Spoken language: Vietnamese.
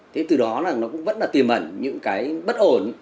thế từ đó nó cũng vẫn là tìm hẳn những bất ổn